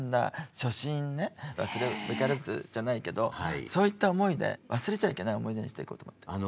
初心ね忘れるべからずじゃないけどそういった思いで忘れちゃいけない思い出にしていこうと思って。